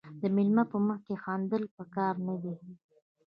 د میلمه په مخ کې خندل پکار دي.